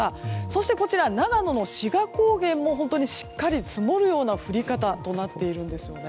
そしてこちら、長野の志賀高原もしっかり積もるような降り方となっているんですね。